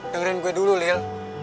dengarin gue dulu lil